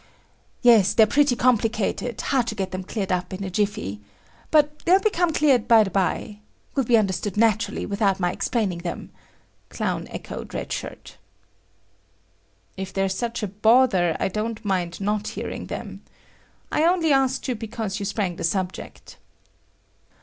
"Yes, they're pretty complicated; hard to get them cleared up in a jiffy. But they'll become clear by the bye. Will be understood naturally without my explaining them," Clown echoed Red Shirt. "If they're such a bother, I don't mind not hearing them. I only asked you because you sprang the subject."